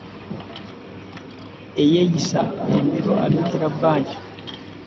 Eyeyisa embiro addukira mbajja .